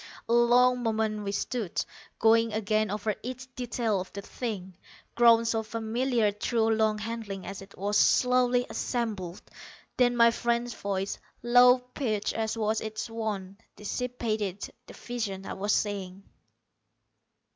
A long moment we stood, going again over each detail of the thing, grown so familiar through long handling as it was slowly assembled. Then my friend's voice, low pitched as was its wont, dissipated the visions I was seeing.